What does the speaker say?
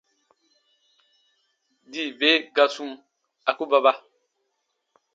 Dii be ga sum, a ku baba.